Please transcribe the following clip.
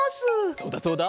そうだそうだ。